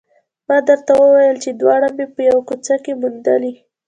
ما درته وویل چې دواړه مې په یوه کوڅه کې موندلي